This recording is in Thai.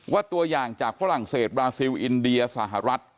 ตัวอย่างจากฝรั่งเศสบราซิลอินเดียสหรัฐ